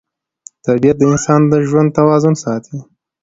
طبیعت د انسان د ژوند توازن ساتي